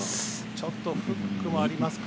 ちょっとフックもありますか？